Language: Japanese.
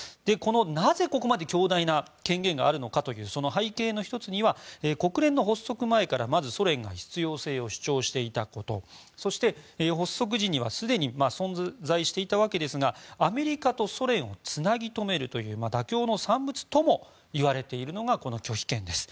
なぜ、ここまで強大な権限があるのかというその背景の１つには国連の発足前にはまずソ連が必要性を主張していたことそして発足時にはすでに存在していたわけですがアメリカとソ連をつなぎとめるという妥協の産物ともいわれているのがこの拒否権です。